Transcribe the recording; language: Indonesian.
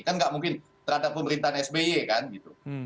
kan nggak mungkin terhadap pemerintahan sby kan gitu